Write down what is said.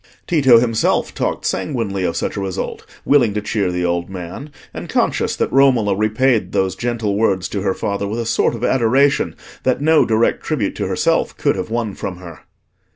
Tito himself talked sanguinely of such a result, willing to cheer the old man, and conscious that Romola repaid those gentle words to her father with a sort of adoration that no direct tribute to herself could have won from her.